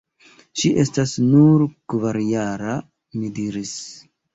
Ŝi estas nur kvarjara – mi diris.